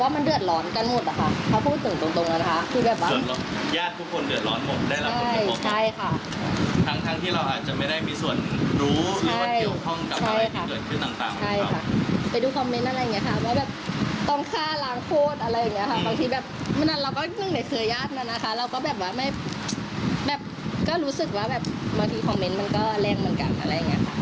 เมื่อกี้คอมเมนต์มันก็แรงเหมือนกันอะไรอย่างนี้ค่ะ